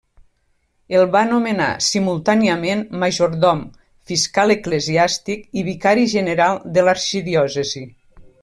El va nomenar, simultàniament, majordom, fiscal eclesiàstic i vicari general de l'arxidiòcesi.